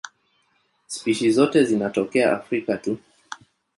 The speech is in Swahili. Spishi zote zinatokea Afrika tu.